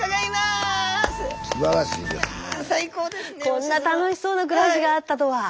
こんな楽しそうな暮らしがあったとは。